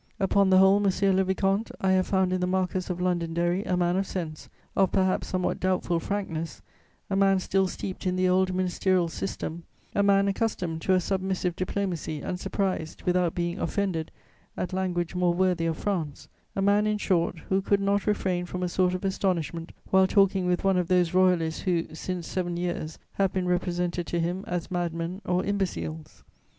"Upon the whole, monsieur le vicomte, I have found in the Marquess of Londonderry a man of sense, of perhaps somewhat doubtful frankness; a man still steeped in the old ministerial system; a man accustomed to a submissive diplomacy and surprised, without being offended, at language more worthy of France; a man, in short, who could not refrain from a sort of astonishment while talking with one of those Royalists who, since seven years, have been represented to him as madmen or imbeciles.